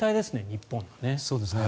日本のね。